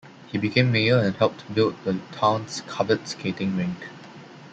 He became mayor and helped build the town's covered skating rink.